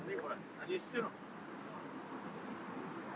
何してるん。